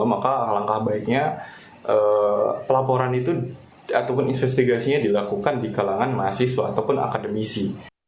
maka langkah baiknya pelaporan itu ataupun investigasinya dilakukan di kalangan mahasiswa ataupun akademisi